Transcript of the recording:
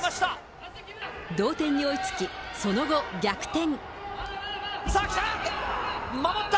同点に追いつき、その後、さあきた！